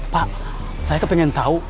pak saya kepengen tau